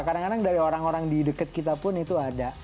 kadang kadang dari orang orang di dekat kita pun itu ada